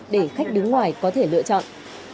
để khách đứng ngoài có thể lựa chọn